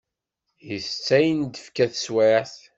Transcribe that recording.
Itett ayen d-tefka teswiɛt.